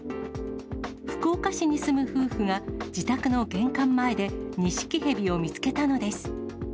福岡市に住む夫婦が、自宅の玄関前でニシキヘビを見つけたのです。